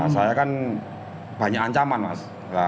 saya kan banyak ancaman mas